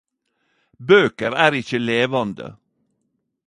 Bøker er ikkje levande.